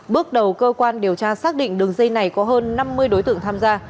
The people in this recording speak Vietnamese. bước đầu cơ quan điều tra xác định đường dây này có hơn năm mươi đối tượng tham gia